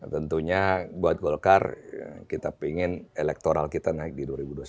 tentunya buat golkar kita ingin elektoral kita naik di dua ribu dua puluh empat